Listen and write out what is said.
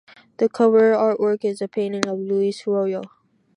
The cover artwork is a painting of Luis Royo.